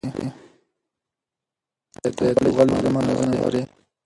ایا ته غواړې چې زما رازونه واورې؟